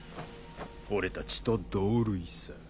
俺たちと同類さ。